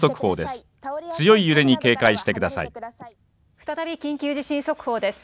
再び緊急地震速報です。